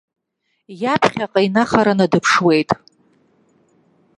Иаԥхьаҟа инахараны дыԥшуеит.